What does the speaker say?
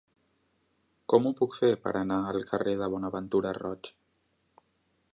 Com ho puc fer per anar al carrer de Bonaventura Roig?